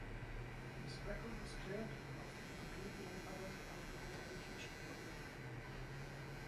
His record was cleared after he completed an adult alcohol education program.